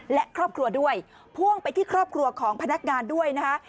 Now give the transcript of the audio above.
และครอบครัวด้วยพ่วงไปที่ครอบครัวของพนักงานด้วยนะคะ